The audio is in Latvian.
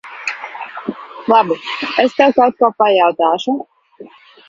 Labi. Es tev kaut ko pajautāšu.